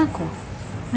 masa aku gak sembuh